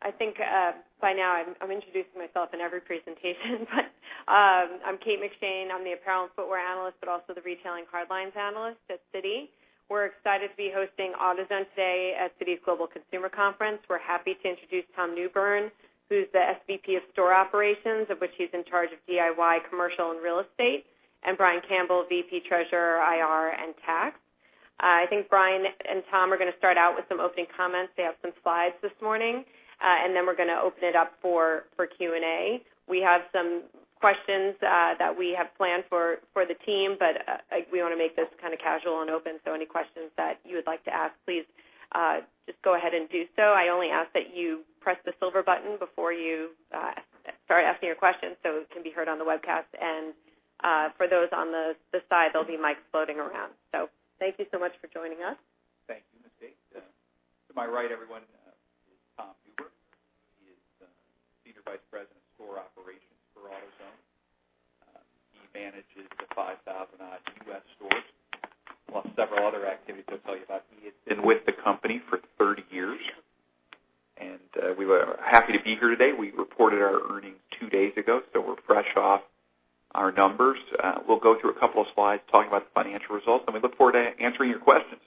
I think by now I'm introducing myself in every presentation, but I'm Kate McShane, I'm the apparel and footwear analyst, but also the retail and hard lines analyst at Citi. We're excited to be hosting AutoZone today at Citi's Global Consumer Conference. We're happy to introduce Tom Newbern, who's the SVP of store operations, of which he's in charge of DIY, commercial, and real estate, and Brian Campbell, VP, treasurer, IR, and tax. I think Brian and Tom are going to start out with some opening comments. They have some slides this morning. Then we're going to open it up for Q&A. We have some questions that we have planned for the team, but we want to make this kind of casual and open, so any questions that you would like to ask, please just go ahead and do so. I only ask that you press the silver button before you start asking your questions so it can be heard on the webcast. For those on the side, there'll be mics floating around. Thank you so much for joining us. Thank you, Kate. To my right, everyone, is Tom Newbern. He is Senior Vice President of Store Operations for AutoZone. He manages the 5,000 odd U.S. stores, plus several other activities he'll tell you about. He has been with the company for 30 years. We are happy to be here today. We reported our earnings two days ago. We're fresh off our numbers. We'll go through a couple of slides talking about the financial results. We look forward to answering your questions.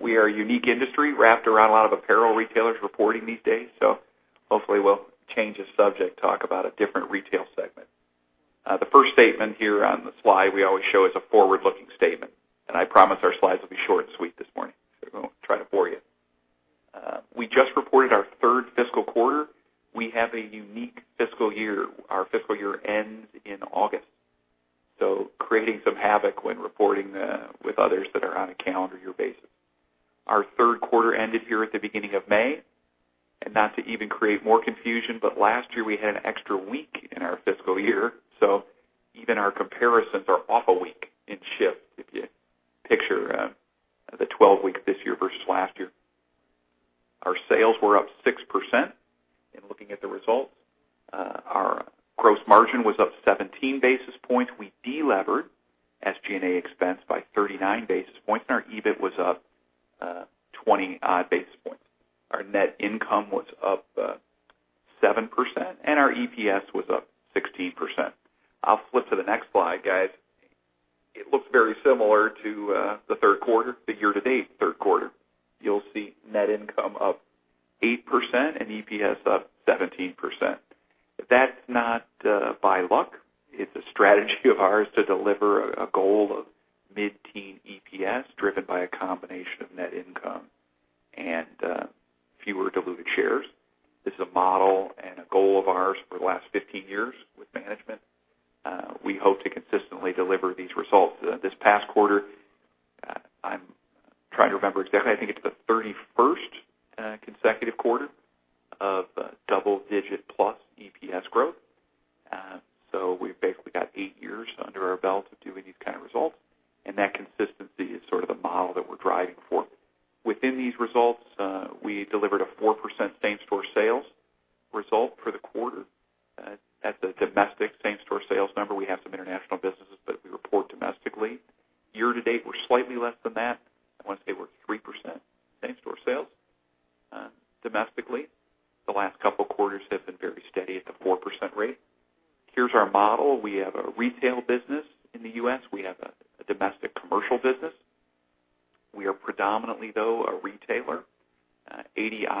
We are a unique industry wrapped around a lot of apparel retailers reporting these days. Hopefully we'll change the subject, talk about a different retail segment. The first statement here on the slide we always show is a forward-looking statement. I promise our slides will be short and sweet this morning. We won't try to bore you. We just reported our third fiscal quarter. We have a unique fiscal year. Our fiscal year ends in August, creating some havoc when reporting with others that are on a calendar year basis. Our third quarter ended here at the beginning of May. Not to even create more confusion, last year we had an extra week in our fiscal year, even our comparisons are off a week in shift, if you picture the 12 week this year versus last year. Our sales were up 6% in looking at the results. Our gross margin was up 17 basis points. We de-levered SG&A expense by 39 basis points. Our EBIT was up 20 odd basis points. Our net income was up 7%. Our EPS was up 16%. I'll flip to the next slide, guys. It looks very similar to the third quarter, the year-to-date third quarter. You'll see net income up 8% and EPS up 17%. That's not by luck. It's a strategy of ours to deliver a goal of mid-teen EPS driven by a combination of net income and fewer diluted shares. This is a model and a goal of ours for the last 15 years with management. We hope to consistently deliver these results. This past quarter, I'm trying to remember exactly, I think it's the 31st consecutive quarter of double digit plus EPS growth. We've basically got eight years under our belt of doing these kind of results, and that consistency is sort of the model that we're driving for. Within these results, we delivered a 4% same store sales result for the quarter. That's a domestic same store sales number. We have some international businesses that we report domestically. Year to date, we're slightly less than that.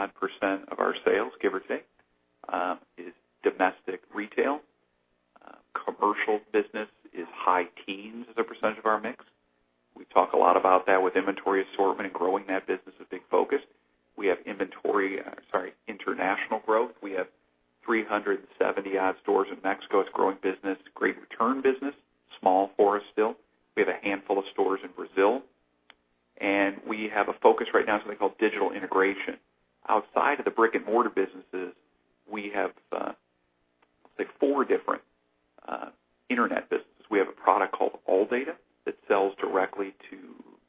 I want to say we're 3% same store sales domestically. The last couple quarters have been very steady at the 4% rate. Here's our model. We have a retail business in the U.S. We have a domestic commercial business. We are predominantly, though, a retailer, 80% odd of our sales, give or take, is domestic retail. Commercial business is high teens as a percentage of our mix. We talk a lot about that with inventory assortment and growing that business, a big focus. We have inventory, sorry, international growth. We have 370 odd stores in Mexico. It's a growing business, great return business. Small for us still. We have a handful of stores in Brazil. We have a focus right now on something called digital integration. Outside of the brick and mortar businesses, we have, I'll say four different internet businesses. We have a product called ALLDATA that sells directly to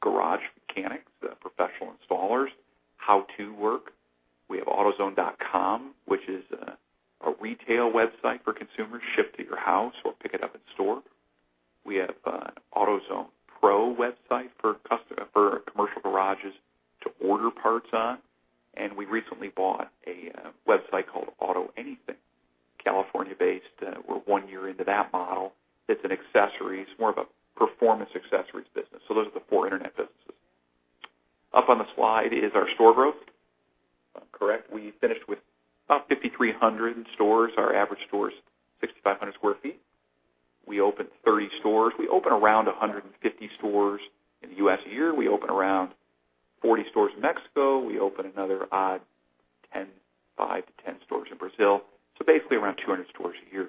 garage mechanics, professional installers, how-to work. We have autozone.com, which is a retail website for consumers, ship to your house or pick it up in store. We have AutoZone Pro website for our commercial garages to order parts on, and we recently bought a website called AutoAnything, California-based. We're one year into that model. It's an accessories, more of a performance accessories business. Those are the four internet businesses. Up on the slide is our store growth. Correct. We finished with about 5,300 stores. Our average store is 6,500 sq ft. We opened 30 stores. We open around 150 stores in the U.S. a year. We open around 40 stores in Mexico. We open another odd five to 10 stores in Brazil. Basically around 200 stores a year.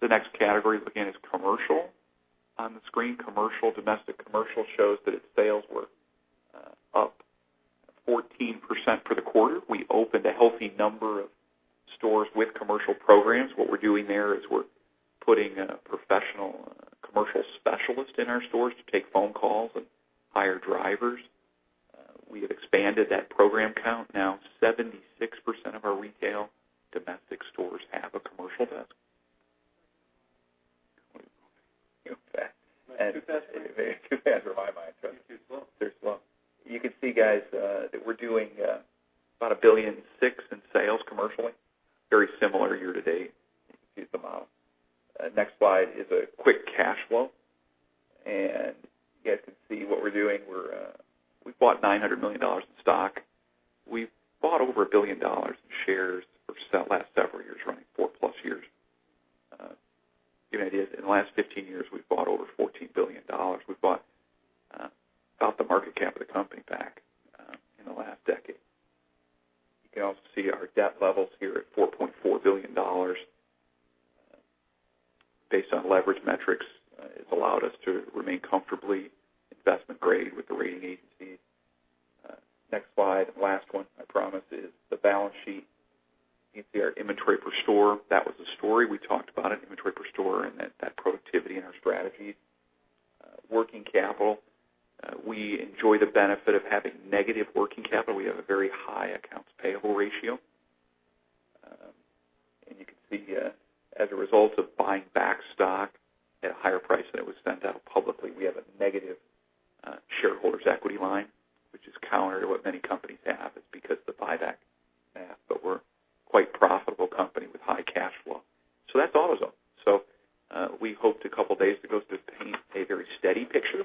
The next category, again, is commercial on the screen. Commercial, domestic commercial shows that its sales were up 14% for the quarter. We opened a healthy number of stores with commercial programs. What we're doing there is we're putting a professional commercial specialist in our stores to take phone calls and hire drivers. We have expanded that program count. Now 76% of our retail domestic stores have a commercial desk Too fast for me. Too fast for my mind. You're too slow. Too slow. You can see, guys, that we're doing about a $1.6 billion in sales commercially. Very similar year-to-date. You can see the model. Next slide is a quick cash flow, and you guys can see what we're doing. We bought $900 million in stock. We've bought over $1 billion in shares for the last several years running, 4-plus years. Given that it is in the last 15 years, we've bought over $14 billion. We've bought about the market cap of the company back in the last decade. You can also see our debt levels here at $4.4 billion. Based on leverage metrics, it's allowed us to remain comfortably investment grade with the rating agencies. Next slide, last one, I promise, is the balance sheet. You can see our inventory per store. That was the story. We talked about it, inventory per store and that productivity in our strategy. Working capital, we enjoy the benefit of having negative working capital. We have a very high accounts payable ratio. You can see, as a result of buying back stock at a higher price than it was sent out publicly, we have a negative shareholders' equity line, which is counter to what many companies have. It's because the buyback math, we're quite profitable company with high cash flow. That's AutoZone. We hoped a couple of days ago to paint a very steady picture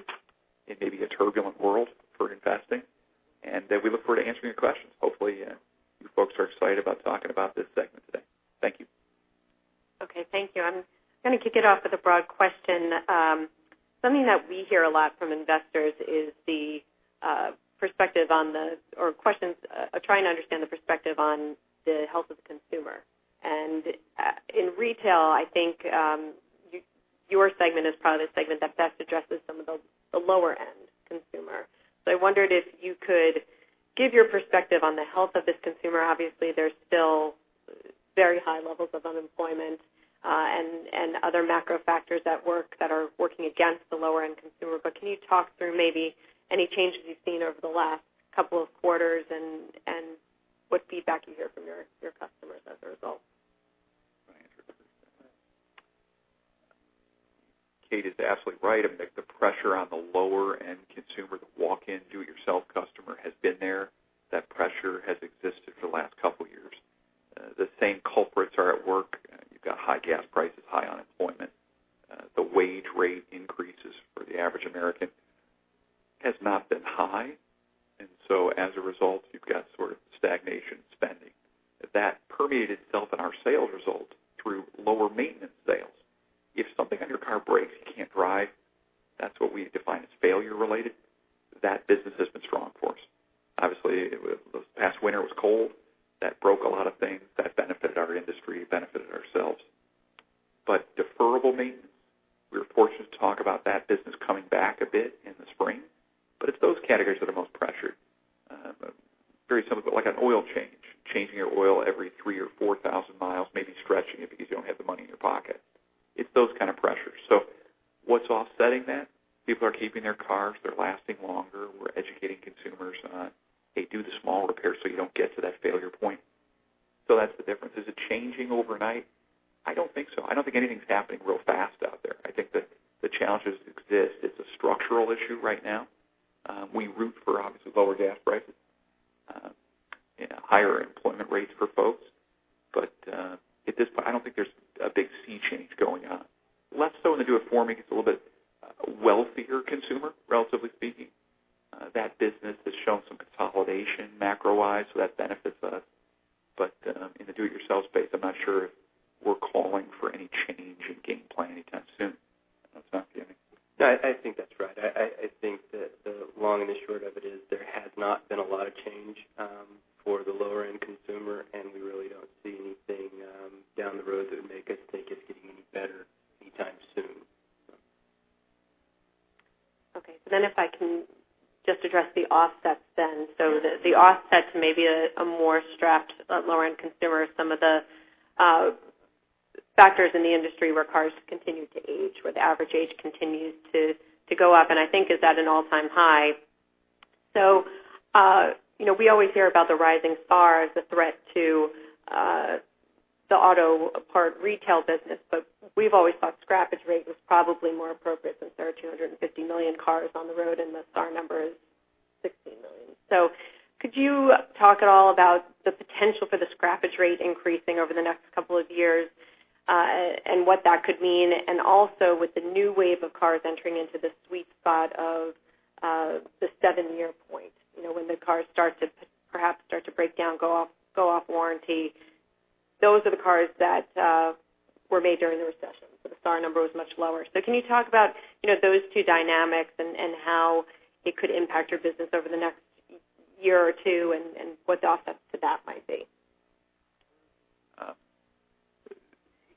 in maybe a turbulent world for investing. We look forward to answering your questions. Hopefully, you folks are excited about talking about this segment today. Thank you. Okay, thank you. I'm going to kick it off with a broad question. Something that we hear a lot from investors is trying to understand the perspective on the health of the consumer. In retail, I think your segment is probably the segment that best addresses some of the lower-end consumer. I wondered if you could give your perspective on the health of this consumer. Obviously, there's still very high levels of unemployment, and other macro factors that are working against the lower-end consumer. Can you talk through maybe any changes you've seen over the last couple of quarters and what feedback you hear from your customers as a result? Kate is absolutely right. The pressure on the lower-end consumer, the walk-in do-it-yourself customer, has been there. That pressure has existed for the last couple of years. The same culprits are at work. You've got high gas prices, high unemployment. The wage rate increases for the average American has not been high. As a result, you've got sort of stagnation spending. That permeated itself in our sales results through lower maintenance sales. If something on your car breaks, you can't drive. That's what we define as failure related. That business has been strong for us. Obviously, the past winter was cold. That broke a lot of things. That benefited our industry, benefited ourselves. Deferrable maintenance, we were fortunate to talk about that business coming back a bit in the spring, it's those categories that are most for the lower-end consumer, and we really don't see anything down the road that would make us think it's getting any better anytime soon. If I can just address the offsets then. The offsets may be a more strapped lower-end consumer, some of the factors in the industry where cars continue to age, where the average age continues to go up, and I think is at an all-time high. We always hear about the rising SAR as a threat to the auto part retail business, but we've always thought scrappage rate was probably more appropriate since there are 250 million cars on the road and the SAR number is 16 million. Could you talk at all about the potential for the scrappage rate increasing over the next couple of years, and what that could mean? Also with the new wave of cars entering into the sweet spot of the seven-year point, when the cars perhaps start to break down, go off warranty. Those are the cars that were made during the recession. The SAR number was much lower. Can you talk about those two dynamics and how it could impact your business over the next year or two, and what the offset to that might be?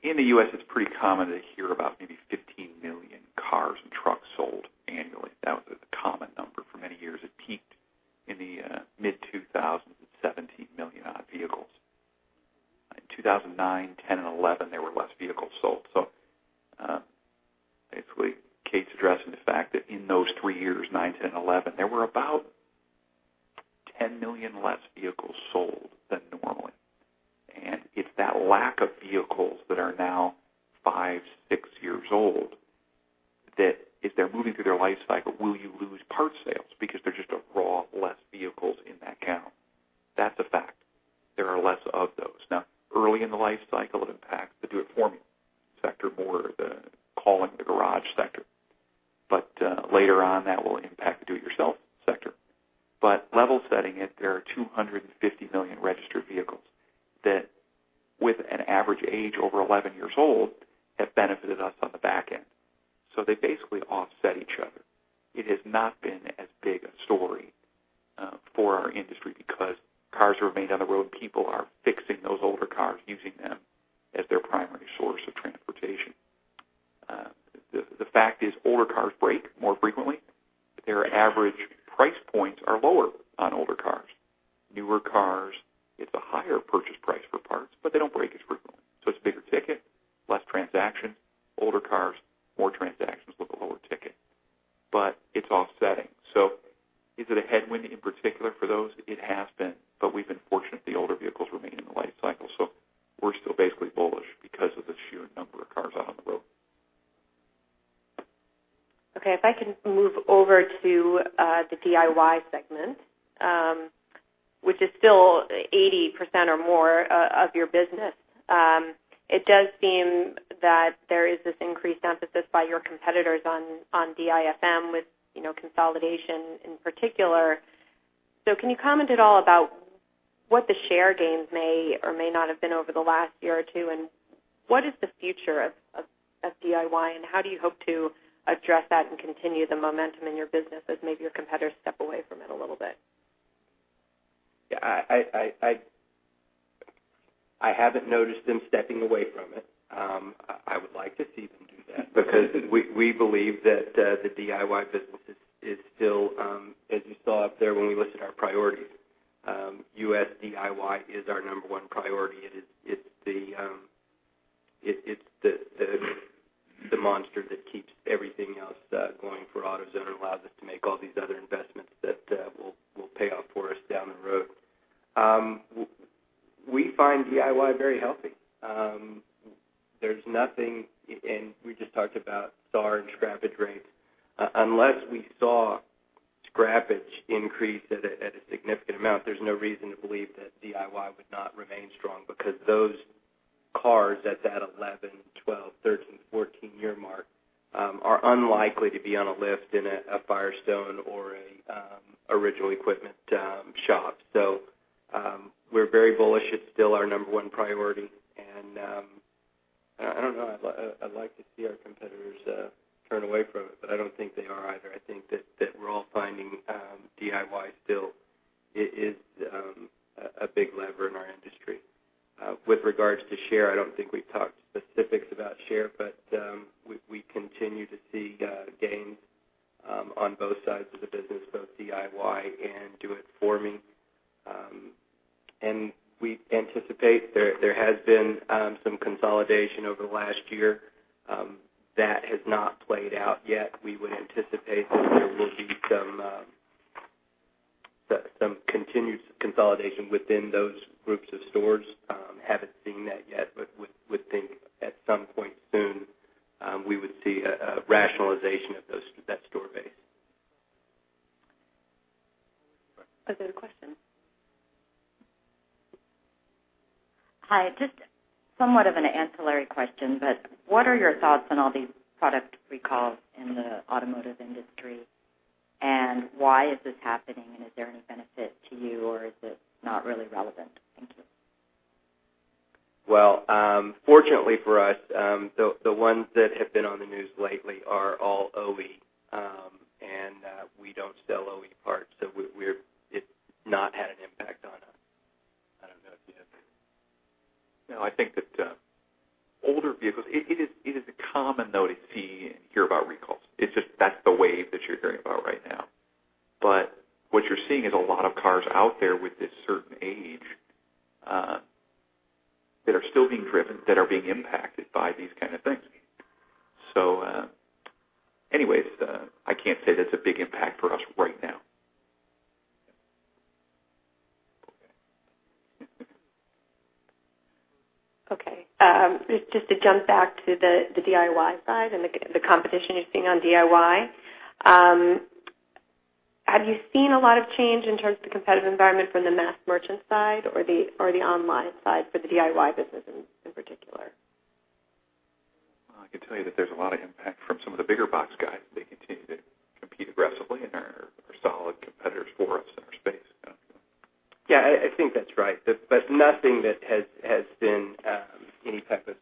In the U.S., it's pretty common to hear about maybe $15 million cars and trucks sold annually. That was a common number for many years. It peaked in the mid-2000s at $17 million odd vehicles. In 2009, 2010, and 2011, there were less vehicles sold. Basically, Kate's addressing the fact that in those three years, 2009, 2010, 2011, there were about $10 million less vehicles sold than normally. A lack of vehicles that are now five, six years old, that as they're moving through their life cycle, will you lose parts sales because there's just raw less vehicles in that count? That's a fact. There are less of those. Now, early in the life cycle, it impacts the DIFM sector, more the call-in-to-garage sector. Later on, that will impact the DIY sector. Level setting it, there are 250 million registered vehicles that, with an average age over 11 years old, have benefited us on the back end. They basically offset each other. It has not been as big a story for our industry because cars remain on the road. People are fixing those older cars, using them as their primary source of transportation. The fact is, older cars break more frequently, but their average I would like to see them do that because we believe that the DIY business is still, as you saw up there when we listed our priorities, U.S. DIY is our number one priority. It's the monster that keeps everything else going for AutoZone and allows us to make all these other investments that will pay off for us down the road. We find DIY very healthy. There's nothing. We just talked about SAR and scrappage rates. Unless we saw scrappage increase at a significant amount, there's no reason to believe that DIY would not remain strong, because those cars at that 11, 12, 13, 14-year mark are unlikely to be on a lift in a Firestone or an original equipment shop. We're very bullish. It's still our number one priority. I don't know, I'd like to see our competitors turn away from it, but I don't think they are either. I think that we're all finding DIY still is a big lever in our industry. With regards to share, I don't think we've talked specifics about share, but we continue to see gains on both sides of the business, both DIY and do it for me. We anticipate there has been some consolidation over the last year. That has not played out yet. We would anticipate that there will be some continued consolidation within those groups of stores. Haven't seen that yet, but would think at some point soon, we would see a rationalization of that store base. Other questions? Hi, just somewhat of an ancillary question, but what are your thoughts on all these product recalls in the automotive industry, and why is this happening, and is there any benefit to you, or is it not really relevant? Thank you. Well, fortunately for us, the ones that have been on the news lately are all OE. We don't sell OE parts, so it's not had an impact on us. I don't know if you have No, I think that older vehicles, it is common, though, to see and hear about recalls. It's just that's the wave that you're hearing about right now. What you're seeing is a lot of cars out there with this certain age that are still being driven, that are being impacted by these kind of things. Anyways, I can't say that's a big impact for us right now. Okay. Just to jump back to the DIY side and the competition you're seeing on DIY, have you seen a lot of change in terms of the competitive environment from the mass merchant side or the online side for the DIY business in particular? I can tell you that there's a lot of impact from some of the bigger box guys. They continue to compete aggressively and are solid competitors for us in our space. I think that's right. Nothing that has been any type of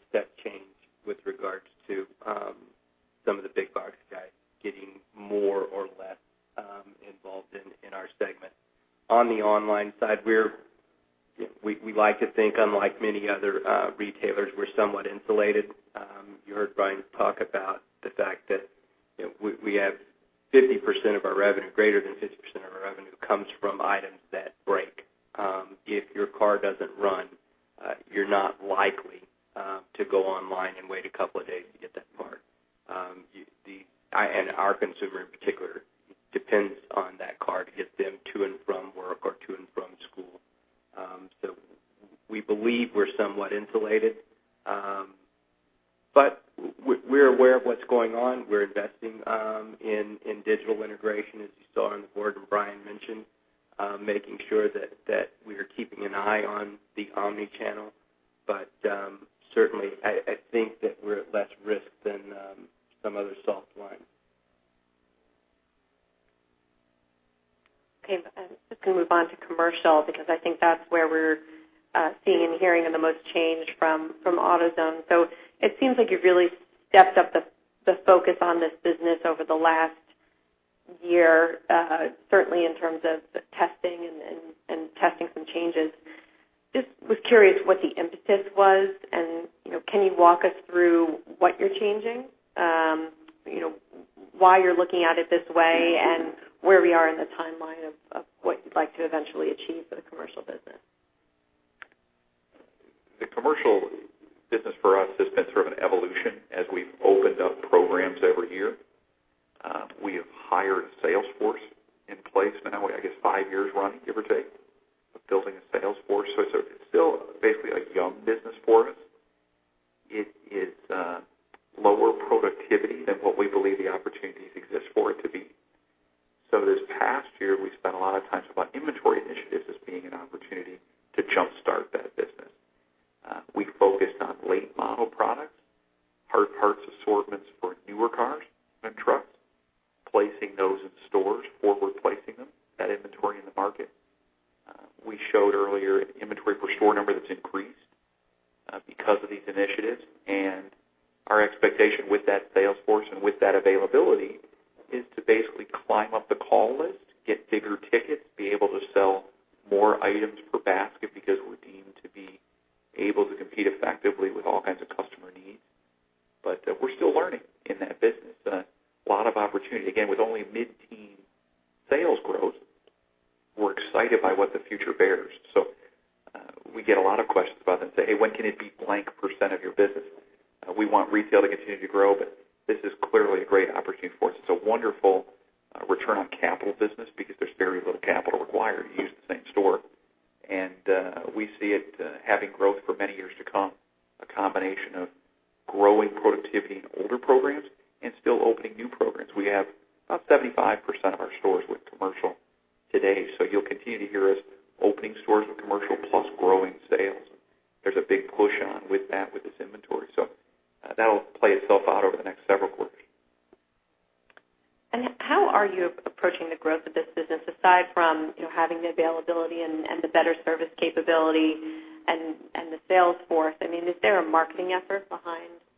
step change with regards to some of the big box guys getting more or less involved in our segment. On the online side, we like to think, unlike many other retailers, we're somewhat insulated. You heard Brian talk about the fact that we have 50% of our revenue, greater than 50% of our revenue comes from items that break. If your car doesn't run, you're not likely to go online and wait a couple of days to get that part. Our consumer in particular depends on that car to get them to and from work or to and from school. We believe we're somewhat insulated, but we're aware of what's going on. We're investing in digital integration, as you saw on the board and Brian mentioned, making sure that we are keeping an eye on the omnichannel. Certainly, I think that we're at less risk than some other soft lines. Okay. I'm just going to move on to commercial, because I think that's where we're seeing and hearing the most change from AutoZone. It seems like you've really stepped up the focus on this business over the last year, certainly in terms of the testing some changes. Just was curious what the impetus was and can you walk us through what you're changing? Why you're looking at it this way and where we are in the timeline of what you'd like to eventually achieve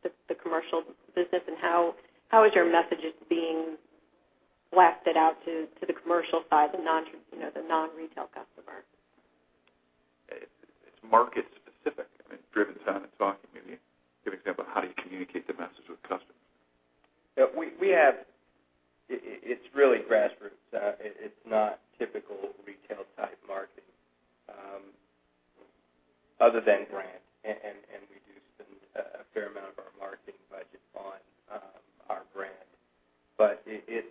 the commercial business, and how is your messages being blasted out to the commercial side, the non-retail customer? It's market specific. Driven, Simon's talking, you give an example of how do you communicate the message with customers. It's really grassroots. It's not typical retail type marketing other than brand, and we do spend a fair amount of our marketing budget on our brand, but it's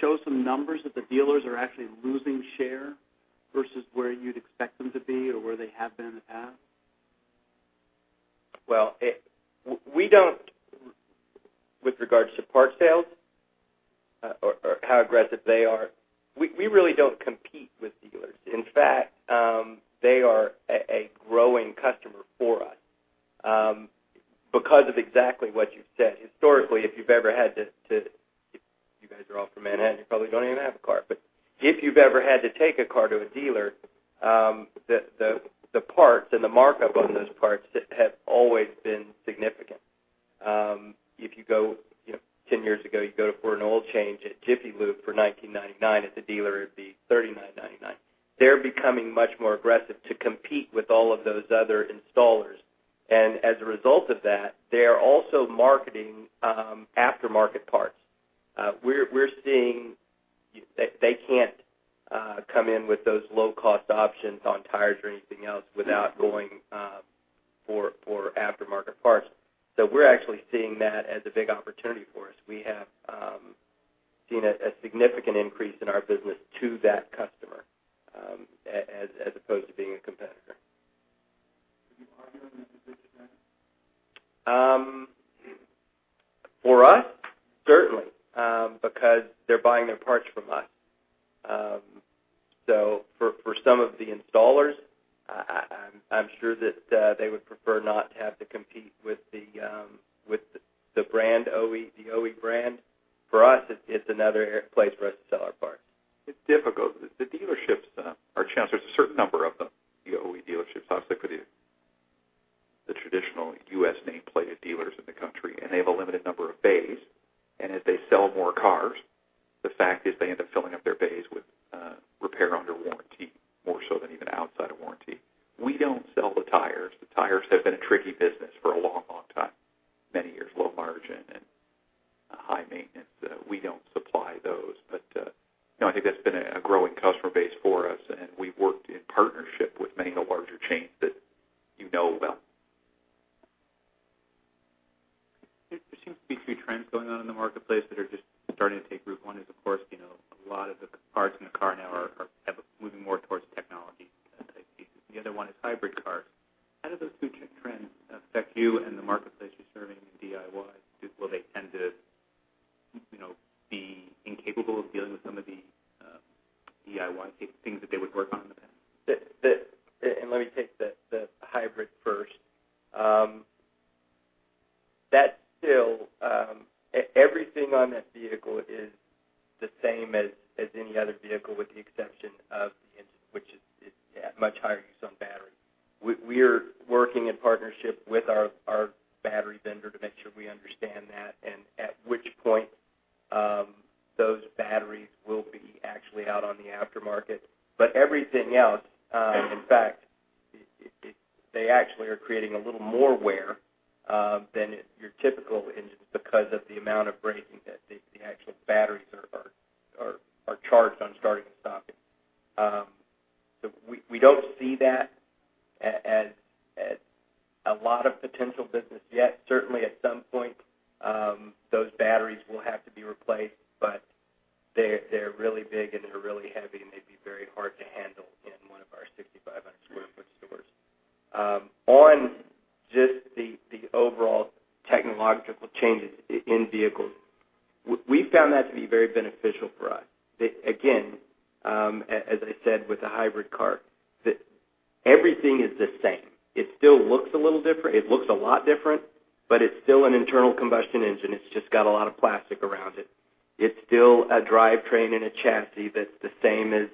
show some numbers that the dealers are actually losing share versus where you'd expect them to be or where they have been in the past? Well, with regards to part sales, or how aggressive they are, we really don't compete with dealers. In fact, they are a growing customer for us because of exactly what you've said. Historically, if you've ever had to take a car to a dealer, you guys are all from Manhattan, you probably don't even have a car, but if you've ever had to take a car to a dealer, the parts and the markup on those parts have always been significant. 10 years ago, you go for an oil change at Jiffy Lube for $19.99, at the dealer, it would be $39.99. They're becoming much more aggressive to compete with all of those other installers. As a result of that, they are also marketing aftermarket parts. We're seeing that they can't come in with those low-cost options on tires or anything else without going for aftermarket parts. We're actually seeing that as a big opportunity for us. We have seen a significant increase in our business to that customer, as opposed to being a competitor. Are you arguing the position then? For us? Certainly. They're buying their parts from us. For some of the installers, I'm sure that they would prefer not to have to compete with the OE brand. For us, it's another place for us to sell our parts. It's difficult. The dealerships are challenged. There's a certain number of them, the OE dealerships, obviously, could the traditional U.S. nameplated dealers in the country and they have a limited number of bays and as they sell more cars, the fact is they end up filling up their bays with repair under warranty more so than even outside of warranty. We don't sell the tires. The tires have been a tricky business for a long time, many years low margin and high maintenance. We don't supply those. I think that's been a growing customer base for us, and we've worked in partnership with many of the larger chains that you know well. There seems to be two trends going on in the marketplace that are just starting to take root. One is, of course, a lot of the parts in the car now are moving more towards technology type pieces. The other one is hybrid cars. How do those two trends affect you and the marketplace as I said with a hybrid car, everything is the same. It still looks a little different. It looks a lot different, but it's still an internal combustion engine. It's just got a lot of plastic around it. It's still a drivetrain and a chassis that's the same as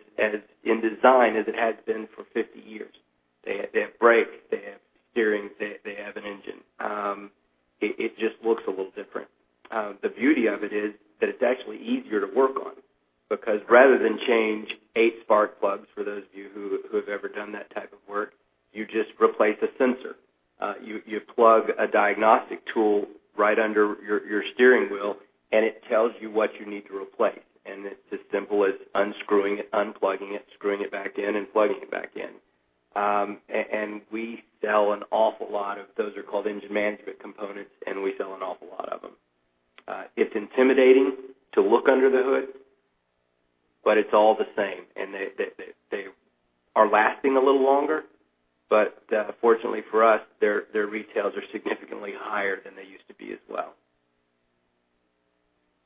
in design as it has been for 50 years. They have brakes, they have steering, they have an engine. It just looks a little different. The beauty of it is that it's actually easier to work on because rather than change eight spark plugs, for those of you who have ever done that type of work, you just replace a sensor. You plug a diagnostic tool right under your steering wheel, and it tells you what you need to replace, and it's as simple as unscrewing it, unplugging it, screwing it back in, and plugging it back in. We sell an awful lot of, those are called engine management components, and we sell an awful lot of them. It's intimidating to look under the hood, but it's all the same. They are lasting a little longer, but fortunately for us, their retails are significantly higher than they used to be as well.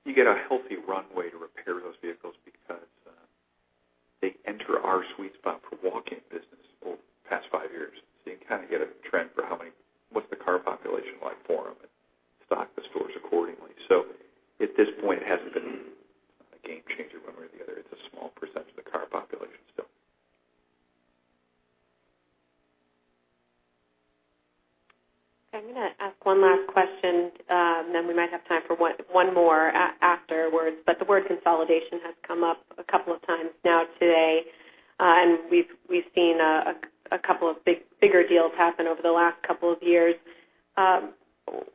You get a healthy runway to repair those vehicles because they enter our sweet spot for walk-in business over the past five years. You kind of get a trend for what's the car population like for them and stock the stores accordingly. At this point, it hasn't been a game changer one way or the other. It's a small percentage of the car population still. I'm going to ask one last question, then we might have time for one more afterwards. The word consolidation has come up a couple of times now today. We've seen a couple of bigger deals happen over the last couple of years.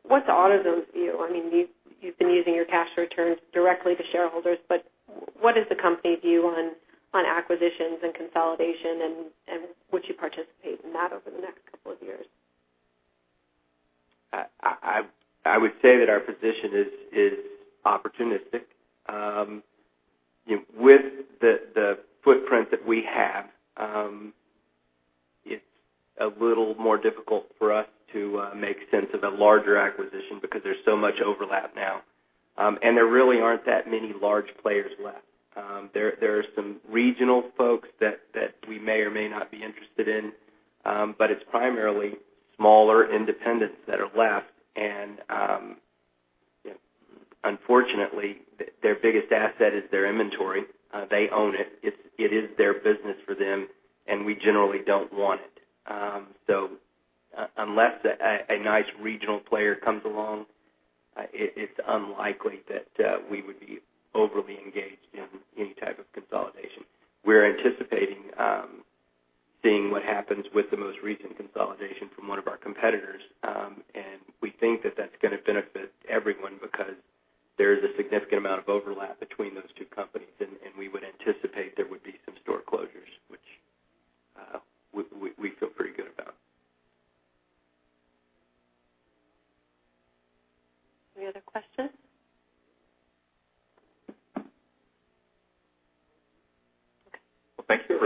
What's AutoZone's view? You've been using your cash returns directly to shareholders, but what is the company view on acquisitions and consolidation, and would you participate in that over the next couple of years? I would say that our position is opportunistic. With the footprint that we have, it's a little more difficult for us to make sense of a larger acquisition because there's so much overlap now. There really aren't that many large players left. There are some regional folks that we may or may not be interested in. It's primarily smaller independents that are left. Unfortunately, their biggest asset is their inventory. They own it. It is their business for them, and we generally don't want it. Unless a nice regional player comes along, it's unlikely that we would be overly engaged in any type of consolidation. We're anticipating seeing what happens with the most recent consolidation from one of our competitors, and we think that that's going to benefit everyone because there is a significant amount of overlap between those two companies, and we would anticipate there would be some store closures, which we feel pretty good about. Any other questions? Okay. Well, thank you.